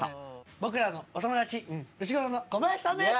僕らのお友達うしごろの小林さんです。